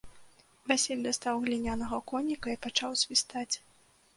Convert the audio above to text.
Васіль дастаў глінянага коніка і пачаў свістаць.